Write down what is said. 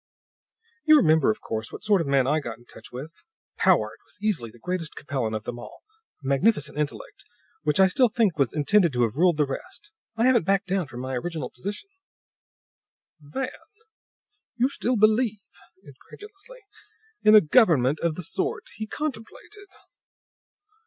"You remember, of course, what sort of a man I got in touch with. Powart was easily the greatest Capellan of them all; a magnificent intellect, which I still think was intended to have ruled the rest. I haven't backed down from my original position." "Van! You still believe," incredulously, "in a government of the sort he contemplated?"